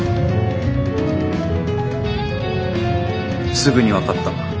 すぐに分かった。